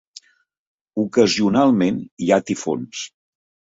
Ocasionalment hi ha tifons.